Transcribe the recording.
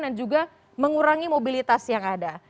dan juga mengurangi mobilitas yang ada